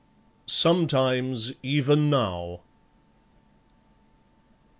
Sometimes Even Now